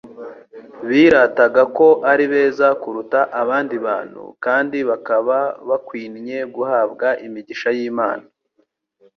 Birataga ko ari beza kuruta abandi bantu kandi bakaba bakwinye guhabwa imigisha y'Imana.